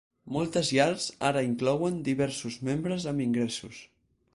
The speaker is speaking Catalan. Moltes llars ara inclouen diversos membres amb ingressos.